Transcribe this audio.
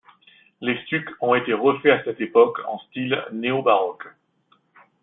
Les stucs ont été refaits à cette époque en style néobaroque.